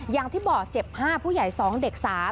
อย่างที่บอกเจ็บ๕ผู้ใหญ่๒เด็ก๓